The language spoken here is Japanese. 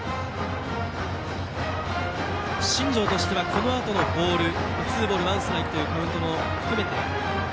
新庄としては、このあとのボールツーボール、ワンストライクというカウントも含めて